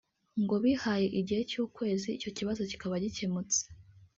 ngo bihaye igihe cy’ukwezi icyo kibazo kikaba gikemutse